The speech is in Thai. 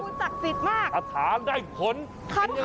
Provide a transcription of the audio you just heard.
คาถาคุณศักดิ์สิทธิ์มากคาถาได้ผลเป็นยังไงล่ะ